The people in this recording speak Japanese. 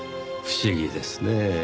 不思議ですねぇ。